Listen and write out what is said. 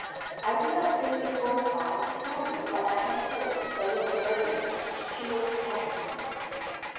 I did not think it worth while to tell you what I had heard a little earlier.' She looked agonized.